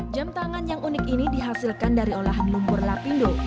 jam tangan yang unik ini dihasilkan dari olahan lumpur lapindo